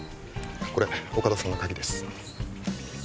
これ大加戸さんの鍵です